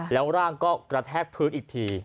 แล้วร่างก็กระแทกพื้นอีกที